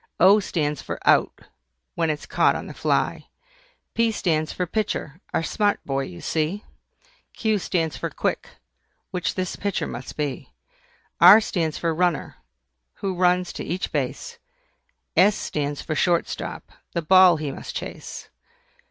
O stands for OUT, when it's caught on the fly. P stands for PITCHER, a smart boy you see. Q stands for QUICK, which this pitcher must be. R stands for RUNNER, who runs to each base. S stands for SHORT STOP, the ball he must chase.